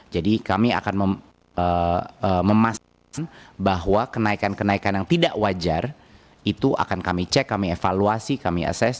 jadi kami akan memastikan bahwa kenaikan kenaikan yang tidak wajar itu akan kami cek kami evaluasi kami ases